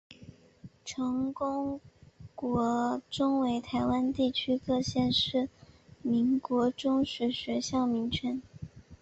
成功国中为台湾地区各县市国民中学学校名称。